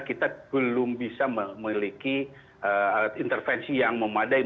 kita belum bisa memiliki intervensi yang memadai